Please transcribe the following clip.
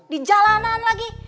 di jalanan lagi